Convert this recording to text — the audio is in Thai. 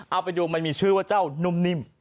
เอาไปดูมันมีชื่อว่าเจ้านุ่มนิ่ม